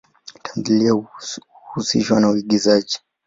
Tamthilia huhusishwa na uigizaji.